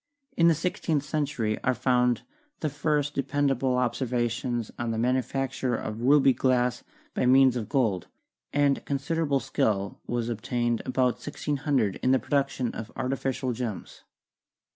In the sixteenth century are found the first dependable ob servations on the manufacture of ruby glass by means of gold, and considerable skill was attained about 1600 in the production of artificial gems.